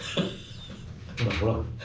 ほらほら。